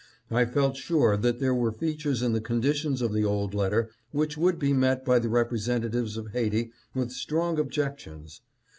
I felt sure that there were features in the conditions of the old letter which would be met by the representatives of Haiti with strong Haiti's refusal. 743 objections.